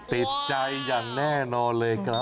ติดใจอย่างแน่นอนเลยครับ